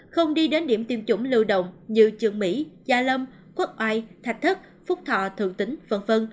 không đi đến điểm tiêm chủng lưu động như trường mỹ gia lâm quốc oai thạch thất phúc thọ thượng tính v v